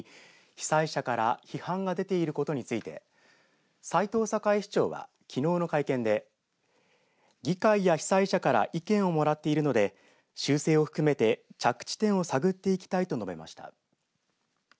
被災者から批判が出ていることについて斉藤栄市長は、きのうの会見で議会や被災者から意見をもらっているので修正を含めて着地点を探っていきたいと述べました。